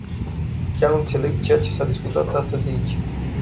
Chiar nu înțeleg ceea s-a discutat astăzi aici.